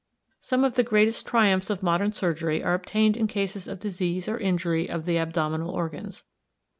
Some of the greatest triumphs of modern surgery are obtained in cases of disease or injury of the abdominal organs.